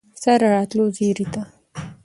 ستا د راتلو زیري ته